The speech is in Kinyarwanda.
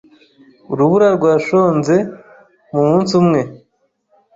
Urubura rwashonze mumunsi umwe.